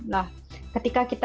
nah ketika kita